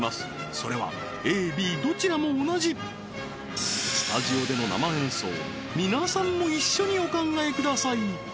それはＡＢどちらも同じスタジオでの生演奏皆さんも一緒にお考えください